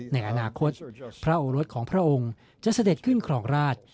ในอนาคตพระโอรสของพระองค์จะเสด็จขึ้นครองราช